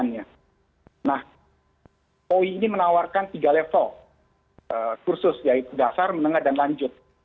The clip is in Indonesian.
nah koi ini menawarkan tiga level kursus yaitu dasar menengah dan lanjut